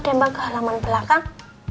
alde mbak ke halaman belakang